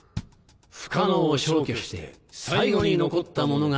不可能を消去して最後に残ったものが。